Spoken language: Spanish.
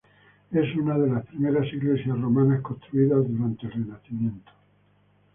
Es una de las primeras iglesias romanas construidas durante el Renacimiento.